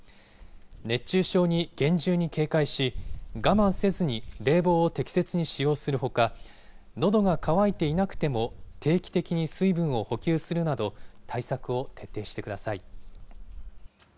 熱中症に厳重に警戒し、我慢せずに冷房を適切に使用するほか、のどが渇いていなくても定期的に水分を補給するなど、対策を徹底してください。